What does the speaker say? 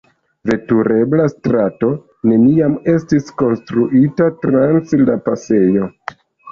Veturebla strato neniam estis konstruita trans la pasejo.